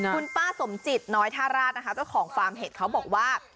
คุณป้าสมจิตน้อยท่าราชนะคะเจ้าของฟาร์มเห็ดเขาบอกว่า